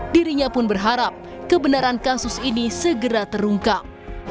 dirinya pun berharap kebenaran kasus ini segera terungkap